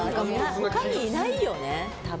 他にいないよね、多分。